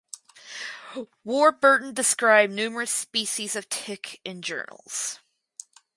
Warburton described numerous species of tick in journals.